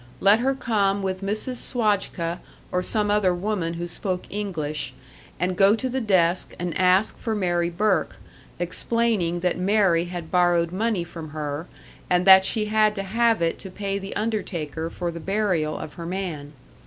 Let her come with Mrs. Swajka or some other woman who spoke English, and go to the desk and ask for Mary Burke, explaining that Mary had borrowed money from her, and that she had to have it to pay the undertaker for the burial of her man.